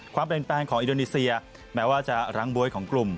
ความเปลี่ยนแปลงของอินโดนีเซียแม้ว่าจะรั้งบ๊วยของกลุ่ม